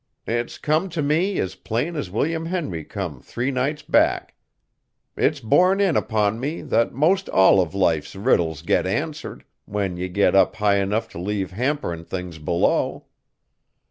"It's come t' me as plain as William Henry come three nights back. It's borne in upon me, that most all of life's riddles get answered, when ye get up high enough t' leave hamperin' things below.